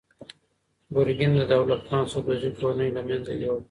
ګورګین د دولت خان سدوزي کورنۍ له منځه یووړه.